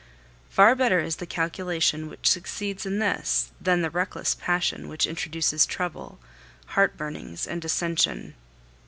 Far better is the calculation which succeeds in this than the reckless passion which introduces trouble, heart burnings, and dissension.